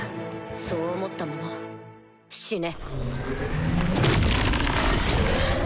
そう思ったまま死ね。